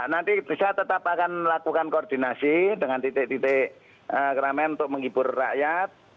nanti bisa tetap akan melakukan koordinasi dengan titik titik keramaian untuk menghibur rakyat